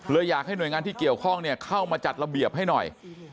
อยากให้หน่วยงานที่เกี่ยวข้องเข้ามาจัดระเบียบให้หน่อย